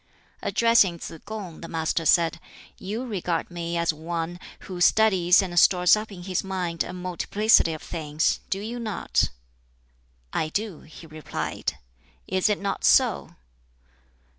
Addressing Tsz kung, the Master said, "You regard me as one who studies and stores up in his mind a multiplicity of things do you not?" "I do," he replied; "is it not so?"